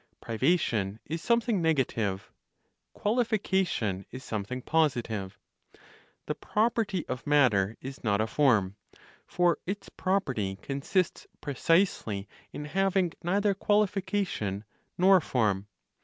Privation is something negative; qualification is something positive. The property of matter is not a form; for its property consists precisely in having neither qualification nor form.